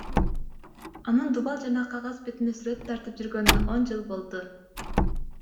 Анын дубал жана кагаз бетине сүрөт тартып жүргөнүнө он жыл болду.